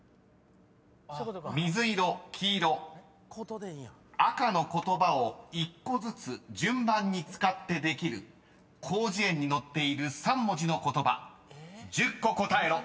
［水色・黄色・赤の言葉を１個ずつ順番に使ってできる広辞苑に載っている３文字の言葉１０個答えろ］